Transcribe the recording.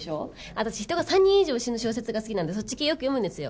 私人が３人以上死ぬ小説が好きなんでそっち系よく読むんですよ。